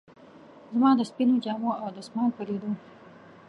زما د سپینو جامو او دستمال په لیدو.